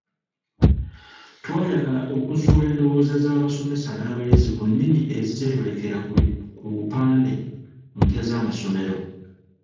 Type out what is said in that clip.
Twayagala okuzuula endowooza z'abasomesa n'abayizi ku nnimi eziteeyolekera ku bupande mu mpya z'amasomero.